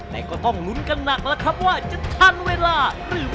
แต่ก็ต้องลุ้นกันหนักแล้วครับว่าจะทันเวลาหรือ